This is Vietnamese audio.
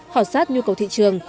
hỏi sát nhu cầu thị trường